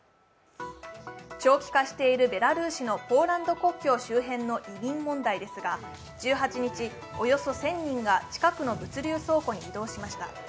長期化しているベラルーシのポーランド国境周辺の移民問題ですが、１８日およそ１０００人が近くの物流倉庫に移動しました。